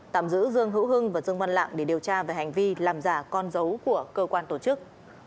tạm giữ dương hữu hưng và dương văn lạng để điều tra về hành vi làm giả con dấu của cơ quan tổ chức